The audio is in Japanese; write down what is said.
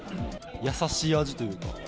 優しい味というか。